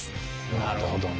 なるほどね。